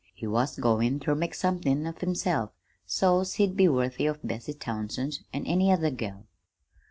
He was goin' ter make somethin' of himself, so's he'd be worthy of Bessie Townsend or any other girl."